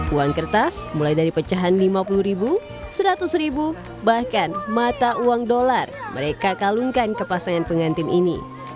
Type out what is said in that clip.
uang kertas mulai dari pecahan lima puluh ribu seratus ribu bahkan mata uang dolar mereka kalungkan ke pasangan pengantin ini